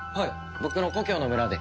僕の故郷の村で。